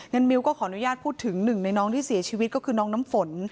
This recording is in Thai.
มิวก็ขออนุญาตพูดถึงหนึ่งในน้องที่เสียชีวิตก็คือน้องน้ำฝน